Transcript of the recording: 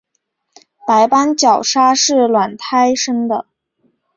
白斑角鲨是卵胎生的。